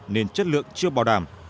nên chất lượng chưa bảo đảm